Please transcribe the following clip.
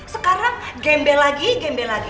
sekarang gembel lagi gembel lagi